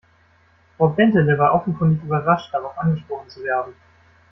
Frau Bentele war offenkundig überrascht, darauf angesprochen zu werden.